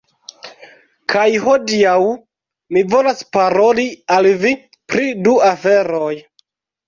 Kaj hodiaŭ mi volas paroli al vi pri du aferoj.